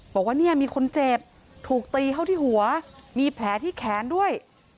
บอกว่าเนี่ยมีคนเจ็บถูกตีเข้าที่หัวมีแผลที่แขนด้วย